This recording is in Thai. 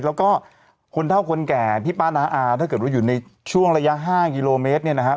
แล้วก็คนเท่าคนแก่พี่ป้าน้าอาถ้าเกิดว่าอยู่ในช่วงระยะ๕กิโลเมตรเนี่ยนะครับ